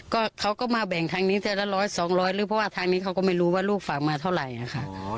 ก็เขาก็มาแบ่งทางนี้แทนละร้อยสองร้อยหรือเพราะว่าทางนี้เขาก็ไม่รู้ว่าลูกฝากมาเท่าไหร่ค่ะ